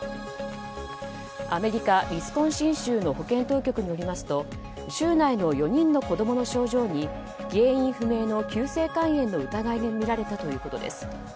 アメリカ・ウィスコンシン州の保健当局によりますと州内の４人の子供の症状に原因不明の急性肝炎の疑いが見られたということです。